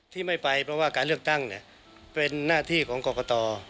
ที่ไม่ไปเพราะว่าการเลือกตั้งเป็นหน้าที่ของกรกต